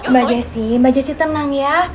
mbak jessy mbak jessy tenang ya